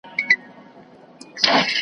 زحمت د بریا مهم راز دی.